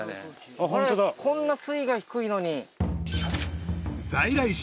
あれこんな水位が低いのに。